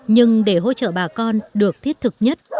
nhưng để hỗ trợ bà con được thiết thực nhất